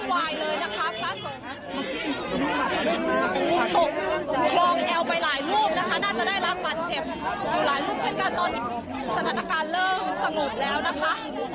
ซ่องรอบสงบแล้วนะคะ